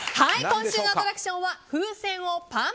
今週のアトラクションは風船をＰａｎ！